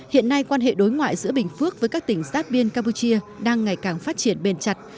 hiện nay quan hệ đối ngoại giữa bình phước với các tỉnh sát biên campuchia đang ngày càng phát triển bền chặt